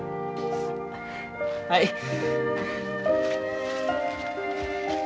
はい。